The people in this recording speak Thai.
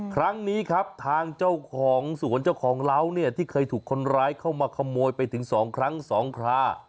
ครั้งนี้ครับทางเจ้าของสวนเจ้าของเล้าเนี่ยที่เคยถูกคนร้ายเข้ามาขโมยไปถึง๒ครั้ง๒ครา